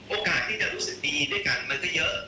โอกาสที่จะรู้สึกดีด้วยกันมันก็เยอะ